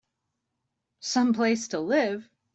Some place to live!